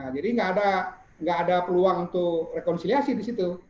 jadi tidak ada peluang untuk rekonsiliasi di situ